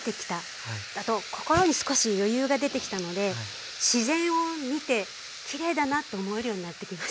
あと心に少し余裕が出てきたので自然を見てきれいだなと思えるようになってきました。